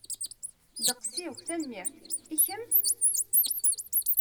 Ddeqs-iw, tanemmirt. I kemm?